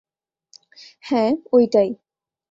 হ্যাঁ, ঐটাই!